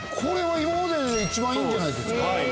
今までで一番いいんじゃないですか？